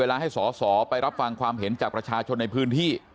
และถามความเห็นจากประชาชนในพื้นที่